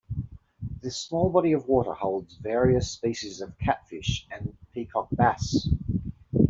This small body of water holds various species of catfish, and peacock bass.